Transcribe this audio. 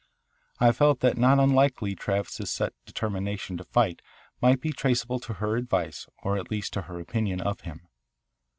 I felt that not unlikely Travis's set determination to fight might be traceable to her advice or at least to her opinion of him.